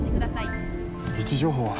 位置情報は？